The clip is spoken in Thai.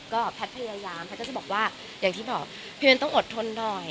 ก็แพทย์พยายามแพทย์ก็จะบอกว่าอย่างที่บอกพี่เบนต้องอดทนหน่อย